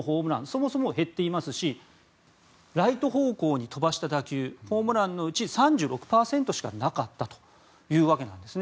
そもそも減っていますしライト方向に飛ばした打球ホームランのうち３６％しかなかったというわけです。